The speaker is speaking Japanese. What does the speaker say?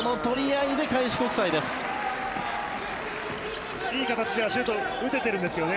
いい形ではシュート打ててるんですけどね。